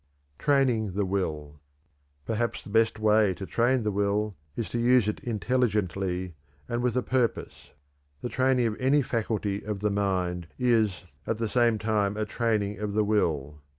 TRAINING THE WILL. Perhaps the best way to train the will is to use it intelligently, and with a purpose. The training of any faculty of the mind is at the same time a training of the will.